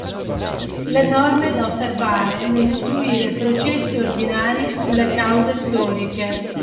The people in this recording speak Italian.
Le Norme da osservare nell'istruire processi ordinari sulle cause storiche